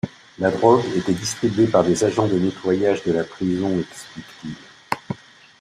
La drogue était distribuée par des agents de nettoyage de la prison, explique-t-il.